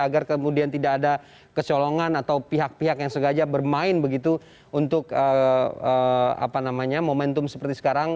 agar kemudian tidak ada kecolongan atau pihak pihak yang sengaja bermain begitu untuk momentum seperti sekarang